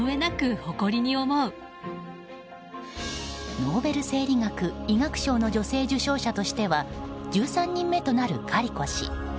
ノーベル生理学・医学賞の女性受賞者としては１３人目となるカリコ氏。